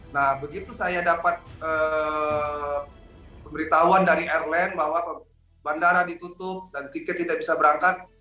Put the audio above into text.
nah begitu saya dapat pemberitahuan dari airline bahwa bandara ditutup dan tiket tidak bisa berangkat